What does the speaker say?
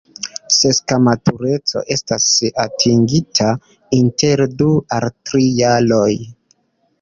Seksa matureco estas atingita inter du al tri jaroj.